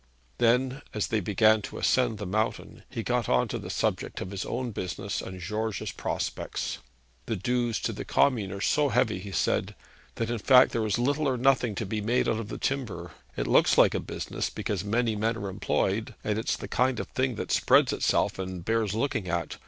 Then as they began to ascend the mountain, he got on to the subject of his own business and George's prospects. 'The dues to the Commune are so heavy,' he said, 'that in fact there is little or nothing to be made out of the timber. It looks like a business, because many men are employed, and it's a kind of thing that spreads itself, and bears looking at.